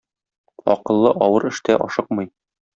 Акыллы авыр эштә ашыкмый.